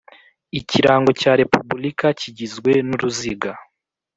Ikirango cya repubulika kigizwe n uruziga